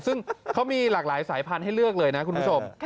ซึ่งเขามีหลากหลายสายพันธุ์ให้เลือกเลยนะคุณผู้ชม